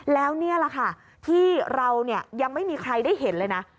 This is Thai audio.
แล้วนี่แหละค่ะที่เราเนี่ยยังไม่มีใครได้เห็นเลยนะ